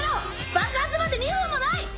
爆発まで２分もない！